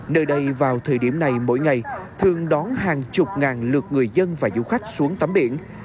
nơi đây vào thời điểm này mỗi ngày thường đón hàng chục ngàn lượt người dân và du khách xuống tắm biển